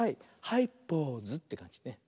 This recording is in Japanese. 「はいポーズ」ってかんじね。